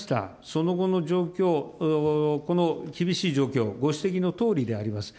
その後の状況、この厳しい状況、ご指摘のとおりであります。